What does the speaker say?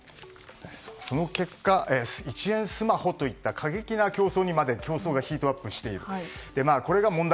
その結果、１円スマホといった過激な競争にまでヒートアップしている。